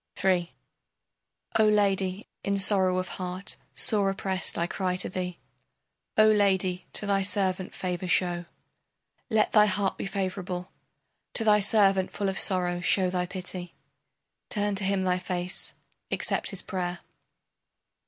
III O lady, in sorrow of heart sore oppressed I cry to thee. O lady, to thy servant favor show. Let thy heart be favorable, To thy servant full of sorrow show thy pity, Turn to him thy face, accept his prayer.